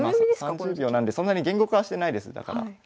３０秒なんでそんなに言語化はしてないですだから。